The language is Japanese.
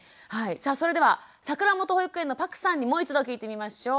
さあそれでは桜本保育園の朴さんにもう一度聞いてみましょう。